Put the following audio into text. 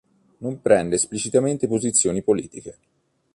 Non prende esplicitamente posizioni politiche.